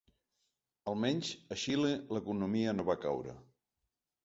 Almenys a Xile l’economia no va caure.